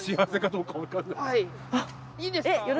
いいんですか？